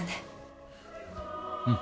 うん。